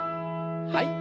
はい。